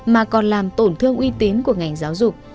mà còn làm tổn thương uy tín của ngành giáo dục